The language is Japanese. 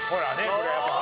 これはやっぱ。